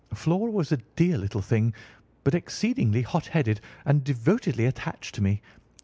Flora was a dear little thing, but exceedingly hot headed and devotedly attached to me.